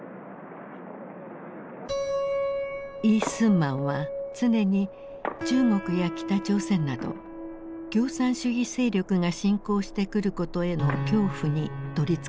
李承晩は常に中国や北朝鮮など共産主義勢力が侵攻してくることへの恐怖に取りつかれていた。